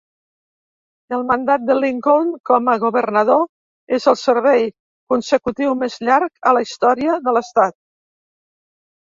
El mandat de Lincoln com a governador és el servei consecutiu més llarg a la història de l'estat.